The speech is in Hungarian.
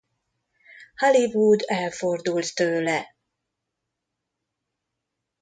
Hollywood elfordult tőle.